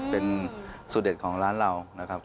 เป็นสูตรเด็ดของร้านเรานะครับ